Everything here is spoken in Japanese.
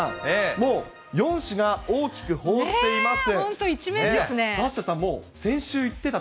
もう４紙が大きく報じています。